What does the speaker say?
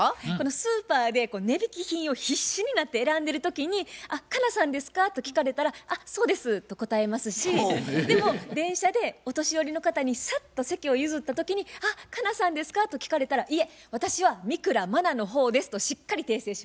スーパーで値引き品を必死になって選んでる時に「あっ佳奈さんですか？」と聞かれたら「あっそうです」と答えますしでも電車でお年寄りの方にさっと席を譲った時に「あっ佳奈さんですか？」と聞かれたら「いえ私は三倉茉奈の方です」としっかり訂正します。